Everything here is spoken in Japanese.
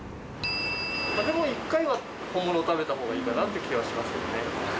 まあでも１回は本物を食べた方がいいかなっていう気はしますけどね。